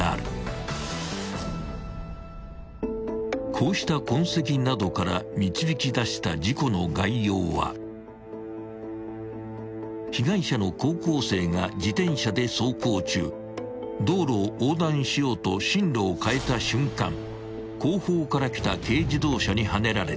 ［こうした痕跡などから導き出した事故の概要は被害者の高校生が自転車で走行中道路を横断しようと進路を変えた瞬間後方から来た軽自動車にはねられた］